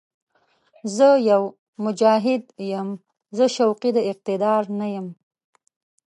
زه يو «مجاهد» یم، زه شوقي د اقتدار نه یم